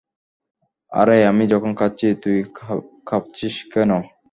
আরে, আমি যখন খাচ্ছি, তুই কাঁপছিস কেন?